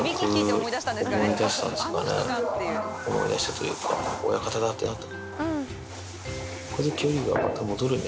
思い出したというか、親方だーってなったんだ。